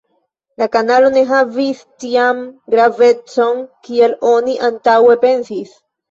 La kanalo ne havis tian gravecon, kiel oni antaŭe pensis.